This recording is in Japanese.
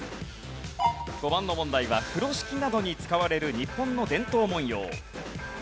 ５番の問題は風呂敷などに使われる日本の伝統文様。